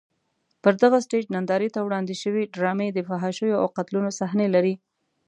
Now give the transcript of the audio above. پر دغه سټېج نندارې ته وړاندې شوې ډرامه د فحاشیو او قتلونو صحنې لري.